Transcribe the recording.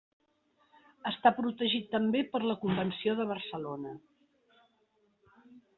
Està protegit també per la convenció de Barcelona.